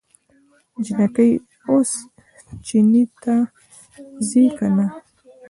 جينکۍ اوس چينې ته ځي که نه؟